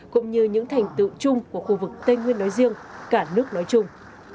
cũng như những thành tựu chung của khu vực tây nguyên nói riêng cả nước nói chung